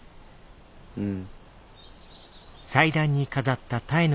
うん。